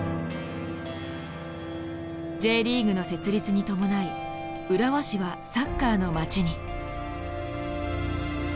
Ｊリーグの設立に伴い浦和市はサッカーの街に。